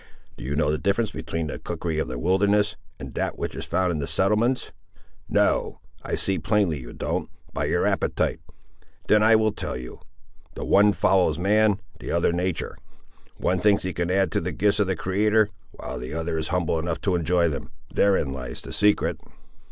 Do you know the difference between the cookery of the wilderness and that which is found in the settlements? No; I see plainly you don't, by your appetite; then I will tell you. The one follows man, the other natur'. One thinks he can add to the gifts of the Creator, while the other is humble enough to enjoy them; therein lies the secret."